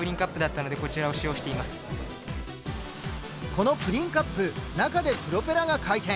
このプリンカップ中でプロペラが回転。